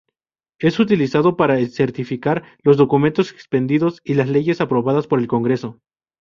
Es utilizado para certificar los documentos expedidos y las leyes aprobadas por el Congreso.